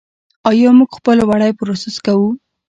آیا موږ خپل وړۍ پروسس کوو؟